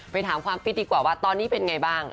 ถามความฟิตดีกว่าว่าตอนนี้เป็นไงบ้าง